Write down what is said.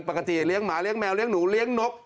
เลี้ยงหมาเลี้ยแมวเลี้ยหนูเลี้ยงนก